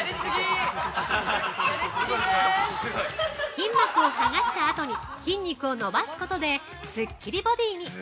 ◆筋膜を剥がしたあとに筋肉を伸ばすことですっきりボディーに。